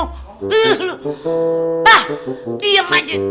ih lo ah diam aja